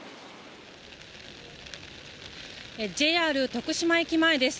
ＪＲ徳島駅前です。